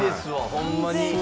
ホンマに。